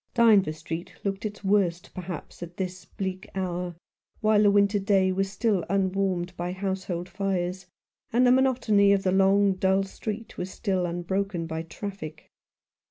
Dynevor Street looked 89 Rough Justice. its worst, perhaps, at this bleak hour, while the winter day was still unwarmed by household fires, and the monotony of the long, dull street was still unbroken by traffic.